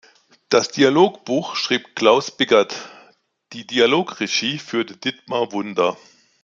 Das Dialogbuch schrieb Klaus Bickert, die Dialogregie führte Dietmar Wunder.